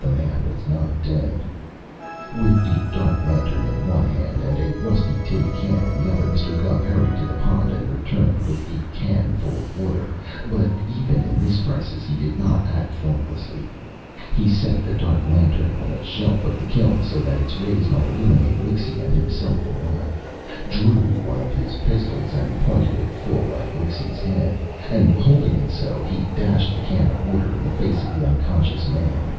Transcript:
The man was not dead! [Illustration: WITH ANOTHER GROAN WIXY RAISED HIS HANDS] With the dark lantern in one hand and a rusty tin can in the other, Mr. Gubb hurried to the pond and returned with the can full of water, but even in this crisis he did not act thoughtlessly. He set the dark lantern on a shelf of the kiln, so that its rays might illuminate Wixy and himself alike, drew one of his pistols and pointed it full at Wixy's head, and holding it so, he dashed the can of water in the face of the unconscious man.